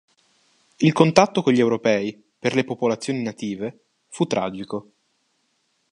Il contatto con gli europei, per le popolazioni native, fu tragico.